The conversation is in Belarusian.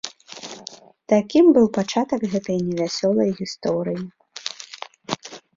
Такім быў пачатак гэтай невясёлай гісторыі.